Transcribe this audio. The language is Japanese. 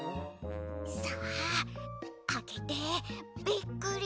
さああけてびっくり。